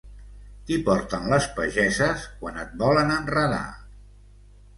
T'hi porten les pageses quan et volen enredar.